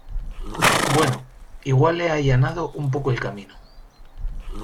bueno, igual he allanado un poco el camino